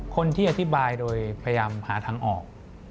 คนที่อธิบายโดยพยายามหาทางออก